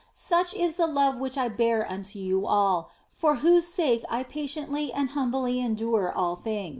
Such is the love which I bare unto you all, for whose sake I patiently and humbly endured all things.